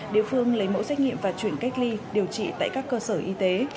địa phương lấy mẫu xét nghiệm và chuyển cách ly điều trị tại các cơ sở y tế